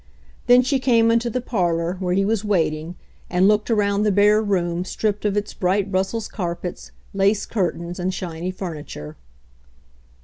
Then she came into the parlor where he was waiting and looked around the bare room stripped of its bright Brussels carpets, lace curtains and shiny furniture.